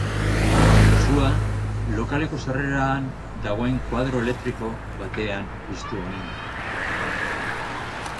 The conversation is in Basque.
Sua lokaleko sarreran dagoen koadro elektriko batean piztu omen da.